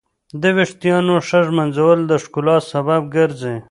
د ویښتانو ښه ږمنځول د ښکلا سبب ګرځي.